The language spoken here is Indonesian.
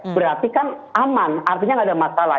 berarti kan aman artinya nggak ada masalah